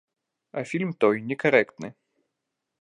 А фільм той некарэктны.